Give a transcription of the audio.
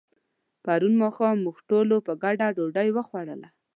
پرون ماښام موږ ټولو په ګډه ډوډۍ وخوړله.